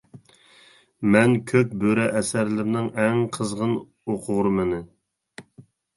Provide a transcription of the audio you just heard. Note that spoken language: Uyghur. مەن كۆك بۆرە ئەسەرلىرىنىڭ ئەڭ قىزغىن ئوقۇرمىنى.